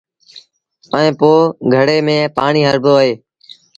ائيٚݩ پو گھڙي ميݩ پآڻيٚ هڻبو اهي۔